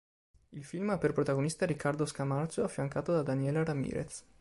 Il film ha per protagonista Riccardo Scamarcio, affiancato da Daniela Ramirez.